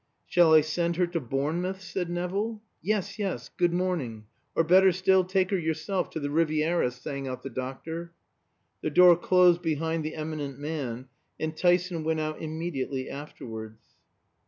"Shall I send her to Bournemouth?" said Nevill. "Yes, yes. Good morning. Or, better still, take her yourself to the Riviera," sang out the doctor. The door closed behind the eminent man, and Tyson went out immediately afterwards.